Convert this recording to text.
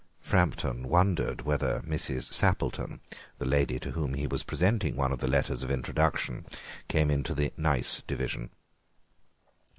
Framton wondered whether Mrs. Sappleton, the lady to whom he was presenting one of the letters of introduction, came into the nice division.